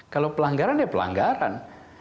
kalau pelanggaran ya pelanggaran